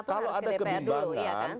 kalau ada kebimbangan